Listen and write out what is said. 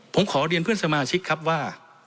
ผมขอเรียนเพื่อนสมาชิกครับว่า